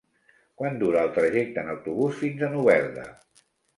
Quant dura el trajecte en autobús fins a Novelda?